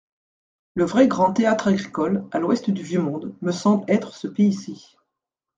Le vrai grand théâtre agricole, à l'ouest du vieux monde, me semble être ce pays-ci.